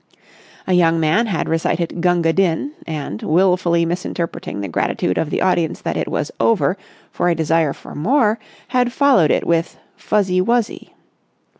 A young man had recited "Gunga Din" and, wilfully misinterpreting the gratitude of the audience that it was over for a desire for more, had followed it with "Fuzzy Wuzzy."